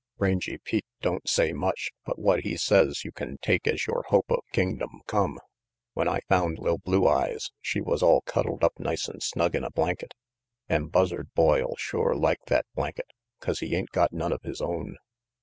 Rangy Pete don't say much, but what he says you can take as yore hope of Kingdom Come. When I found li'l Blue Eyes, she was all cuddled up nice and snug in a blanket, an' Buzzard Boy'll shore like that blanket, 'cause he ain't got none of his own.